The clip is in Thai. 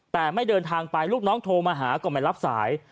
แต่ไม่เดินทางไปลูกน้องโทรมาหาก็ไม่รับสาย